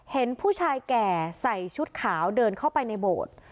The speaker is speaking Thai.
เห็นผู้ชายแก่ใส่ชุดขาวเดินเข้าไปในโบสถ์